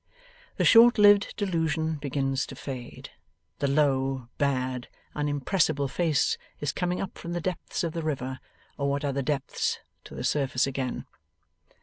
The short lived delusion begins to fade. The low, bad, unimpressible face is coming up from the depths of the river, or what other depths, to the surface again.